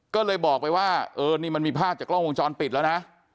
ก็เลยบอกไปว่าเออนี่มันมีภาพจากกล้องวงจรปิดแล้วนะ